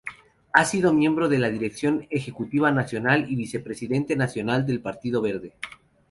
Ha sido miembro de la dirección ejecutiva nacional y vicepresidente nacional del Partido Verde.